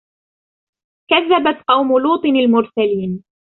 كَذَّبَتْ قَوْمُ لُوطٍ الْمُرْسَلِينَ